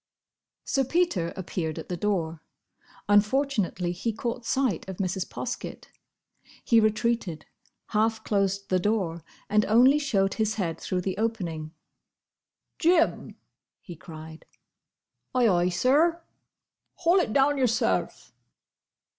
Sir Peter appeared at the door. Unfortunately he caught sight of Mrs. Poskett. He retreated, half closed the door, and only showed his head through the opening. "Jim!" he cried. "Ay, ay, sir!" "Haul it down yourself."